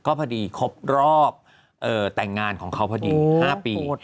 ก็พอดีครบรอบแต่งงานของเขาพอดี๕ปี